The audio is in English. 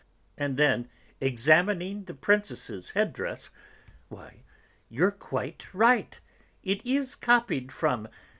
And then, examining the Princess's headdress, "Why, you're quite right; it is copied from...